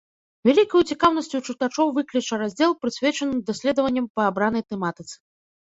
Вялікую цікаўнасць у чытачоў выкліча раздзел, прысвечаны даследаванням па абранай тэматыцы.